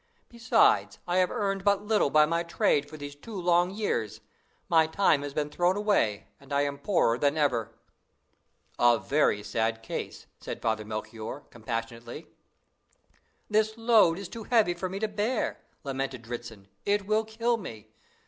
Besides, I have earned but little by my trade for these two long years; my time has been thrown away, and I am poorer than ever." "A very sad case!" said Father Melchoir, compassionately. "This load is too heavy for me to bear," lamented Dritzhn; "it will kill me!